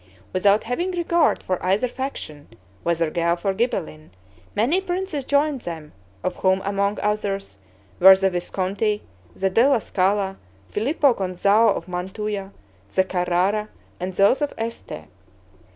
Without having regard for either faction, whether Guelph or Ghibelline, many princes joined them, of whom, among others, were the Visconti, the Della Scala, Filippo Gonzao of Mantua, the Carrara, and those of Este.